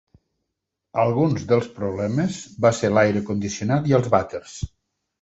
Alguns dels problemes va ser l'aire condicionat i els vàters.